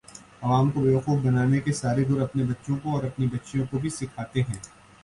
عوام کو بیوقوف بنانے کے سارے گُر اپنے بچوں کو اور اپنی بچیوں کو بھی سیکھاتے ہیں